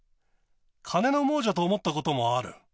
金の亡者と思ったこともある。